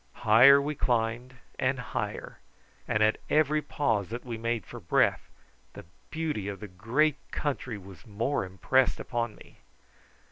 Higher we climbed and higher, and at every pause that we made for breath the beauty of the great country was more impressed upon me.